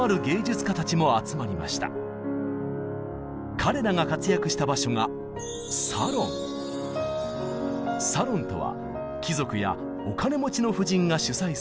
彼らが活躍した場所が「サロン」とは貴族やお金持ちの婦人が主宰するもの。